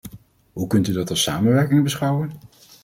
Hoe kunt u dat als samenwerking beschouwen?